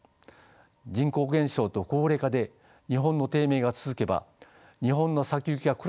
人口減少と高齢化で日本の低迷が続けば日本の先行きが暗いと考え